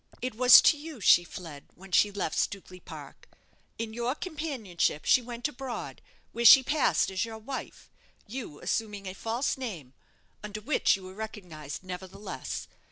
"It was to you she fled when she left Stukely Park in your companionship she went abroad, where she passed as your wife, you assuming a false name under which you were recognized, nevertheless.